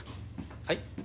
はい？